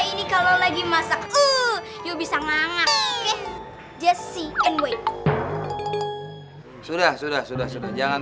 ini kalau lagi masak uh yuk bisa ngangak oke just see and wait sudah sudah sudah sudah jangan